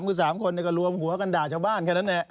คือ๓คนก็รวมหัวกันด่าชาวบ้านแค่นั้น